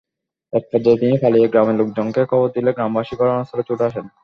একপর্যায়ে তিনি পালিয়ে গ্রামের লোকজনকে খবর দিলে গ্রামবাসী ঘটনাস্থলে ছুটে আসেন।